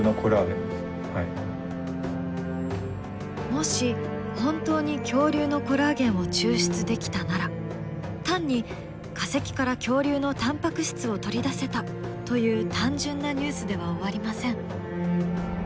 もし本当に恐竜のコラーゲンを抽出できたなら単に化石から恐竜のタンパク質を取り出せた！という単純なニュースでは終わりません。